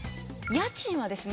家賃はですね